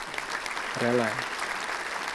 Relé